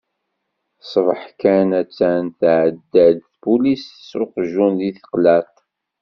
Ṣṣbeḥ kan atta tɛedda-d tpulist s uqjun deg teqlaṭ.